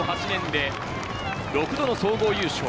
過去８年で６度の総合優勝。